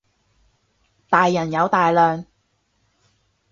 大人有大量